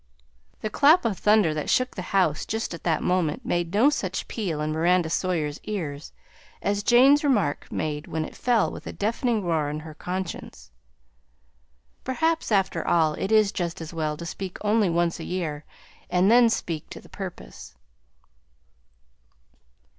The clap of thunder that shook the house just at that moment made no such peal in Miranda Sawyer's ears as Jane's remark made when it fell with a deafening roar on her conscience. Perhaps after all it is just as well to speak only once a year and then speak to the purpose.